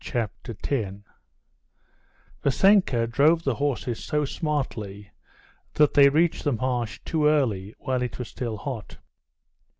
Chapter 10 Vassenka drove the horses so smartly that they reached the marsh too early, while it was still hot.